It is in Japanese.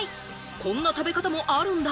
こんな食べ方もあるんだ。